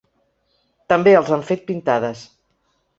També els han fet pintades.